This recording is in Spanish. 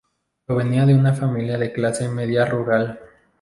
Provenía de una familia de clase media rural.